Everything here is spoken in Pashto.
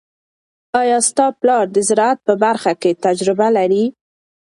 آیا ستا پلار د زراعت په برخه کې تجربه لري؟